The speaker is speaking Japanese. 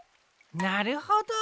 なるほど。